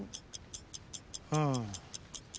うん。